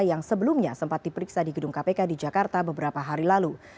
yang sebelumnya sempat diperiksa di gedung kpk di jakarta beberapa hari lalu